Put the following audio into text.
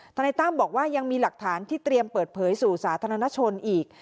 นายตั้มบอกว่ายังมีหลักฐานที่เตรียมเปิดเผยสู่สาธารณชนอีก